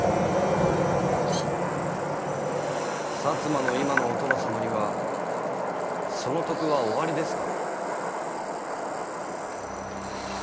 摩の今のお殿様にはその徳はおありですか？